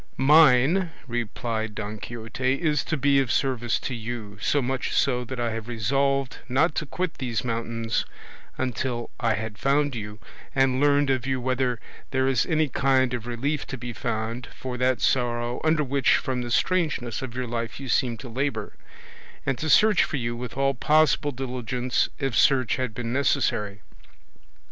"Mine," replied Don Quixote, "is to be of service to you, so much so that I had resolved not to quit these mountains until I had found you, and learned of you whether there is any kind of relief to be found for that sorrow under which from the strangeness of your life you seem to labour; and to search for you with all possible diligence, if search had been necessary.